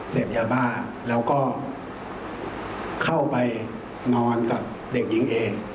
เสพยาบ้าแล้วก็เข้าไปนอนกับเด็กหญิงเอง